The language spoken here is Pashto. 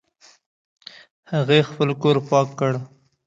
هغې خپل کور پاک کړ